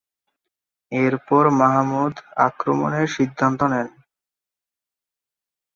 এরপর মাহমুদ আক্রমণের সিদ্ধান্ত নেন।